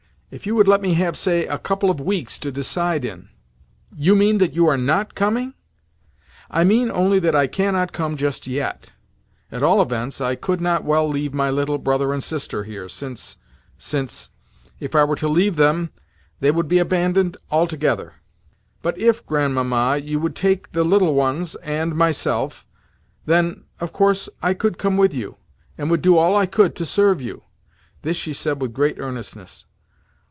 If you would let me have, say, a couple of weeks to decide in—?" "You mean that you are not coming?" "I mean only that I cannot come just yet. At all events, I could not well leave my little brother and sister here, since, since—if I were to leave them—they would be abandoned altogether. But if, Grandmamma, you would take the little ones and myself, then, of course, I could come with you, and would do all I could to serve you" (this she said with great earnestness).